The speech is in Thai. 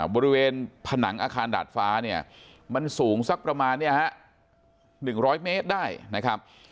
บริเวณผนังอาคารดาดฟ้าเนี่ยมันสูงสักประมาณเนี่ยฮะ๑๐๐เมตรได้นะครับ